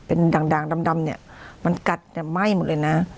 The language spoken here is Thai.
เป็นด่างดำเนี่ยมันกัดเนี่ยไหม้หมดเลยนะ